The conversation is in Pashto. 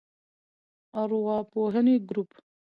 ارواپوهنې ګروپ